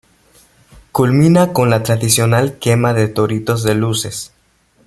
Culmina con la tradicional quema de toritos de luces.